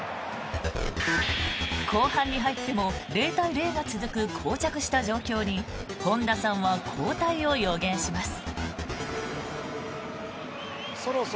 後半に入っても０対０が続くこう着した状況に本田さんは交代を予言します。